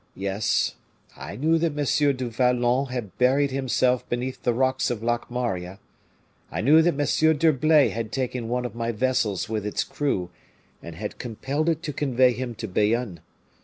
Yes, I knew that M. du Vallon had buried himself beneath the rocks of Locmaria; I knew that M. d'Herblay had taken one of my vessels with its crew, and had compelled it to convey him to Bayonne.